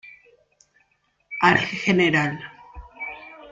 Al Gral.